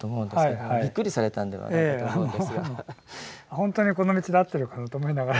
ほんとにこの道で合ってるかなと思いながら。